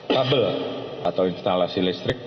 kabel atau instalasi listrik